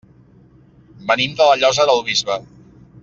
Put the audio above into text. Venim de la Llosa del Bisbe.